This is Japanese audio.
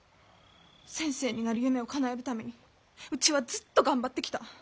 先生になる夢をかなえるためにうちはずっと頑張ってきた。